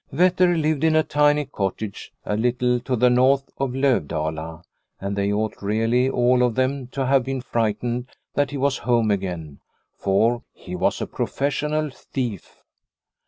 Vetter lived in a tiny cottage, a little to the north of Lovdala, and they ought really all of them to have been frightened that he was home again, for he was a professional thief.